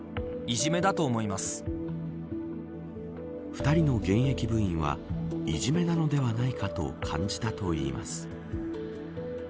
２人の現役部員はいじめなのではないか、と感じたといいます。